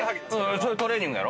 それトレーニングやろ？